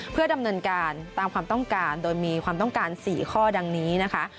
เพื่อดำเนินการตามความต้องการโดยมีความต้องการ๔ข้อดังนี้นะคะ